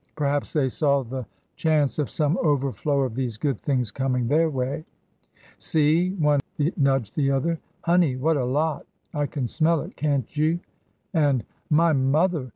Perhaps they saw the chance of some overflow of these good things coming their way. 'See,' one nudged the other; 'honey what a lot! I can smell it, can't you?' And, '_My mother!